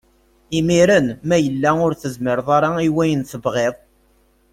Imiren ma yella ur tezmir ara i wayen tebɣiḍ.